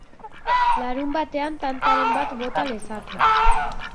Larunbatean tantaren bat bota lezake.